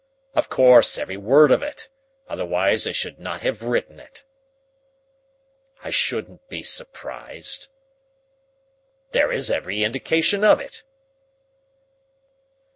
Of course, every word of it, otherwise I should not have written it.... I shouldn't be surprised.... There is every indication of it....